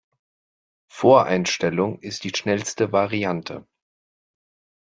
Voreinstellung ist die schnellste Variante.